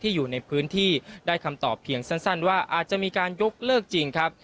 อยู่ในพื้นที่ได้คำตอบเพียงสั้นว่าอาจจะมีการยกเลิกจริงครับ